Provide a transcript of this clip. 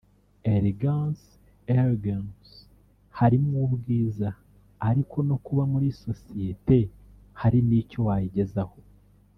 Elegance /Elegancy harimo ubwiza ariko no kuba muri sosiyeti hari n’icyo wayigezaho